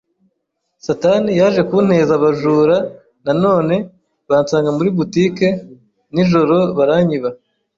Satani yaje kunteza abajura na none, bansanga muri boutique nijoro baranyiba